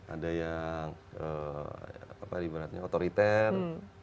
ada yang ibaratnya otoriter